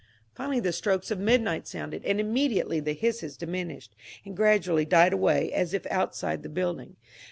FinaUy the strokes of midnight sounded, and immediately the hisses diminished and grad ually died away as if outside the building.